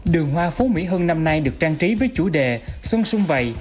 đường hoa phú mỹ hưng năm nay được trang trí với chủ đề xuân xuân vậy